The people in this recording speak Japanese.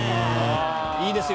いいですよ！